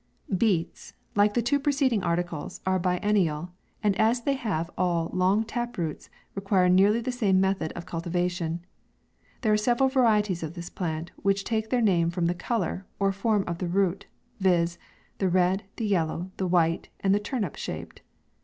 BEETS, like the two preceding articles, are biennial, and as they have all long tap roots, require nearly the same method of cultivation. — There are several varieties of this plant, which take their name from the colour, or form of the root, viz :— the red, the yellow, the white, and the turnip shaped.